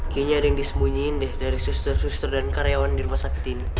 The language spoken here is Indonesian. kayaknya ada yang disembunyiin deh dari suster suster dan karyawan di rumah sakit ini